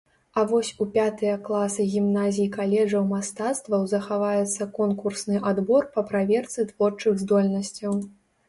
А вось у пятыя класы гімназій-каледжаў мастацтваў захаваецца конкурсны адбор па праверцы творчых здольнасцяў.